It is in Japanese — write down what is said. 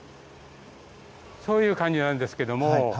そういう感じなんですけど。